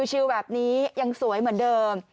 ชิลแบบนี้ยังสวยเหมือนเดิม